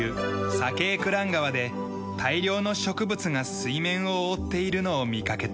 サケークラン川で大量の植物が水面を覆っているのを見かけた。